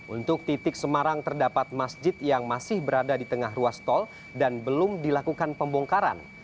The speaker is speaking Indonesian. untuk titik semarang terdapat masjid yang masih berada di tengah ruas tol dan belum dilakukan pembongkaran